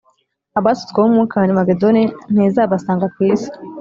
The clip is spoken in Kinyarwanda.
Abasutsweho umwuka Harimagedoni ntizabasanga ku isi